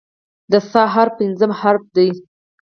د "ث" حرف پنځم حرف دی.